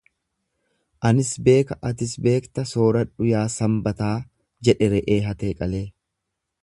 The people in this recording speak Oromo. Anis beeka atis beekta sooradhu yaa sambataa jedhe re'ee hatee qalee.